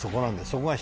そこが。